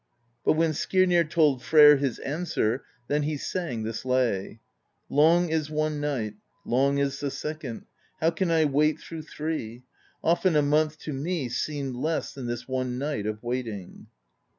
But when Skirnir told Freyr his answer, then he sang this lay: Long is one night, long is the second; How can I wait through three? Often a month to me seemed less Than this one night of waiting.